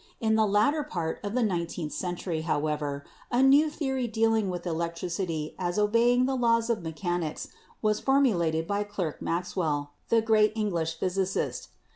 In the latter part of the nineteenth century, however, a new theory dealing with electricity as obeying the laws of mechanics was formulated by Clerk Maxwell, the great English physicist.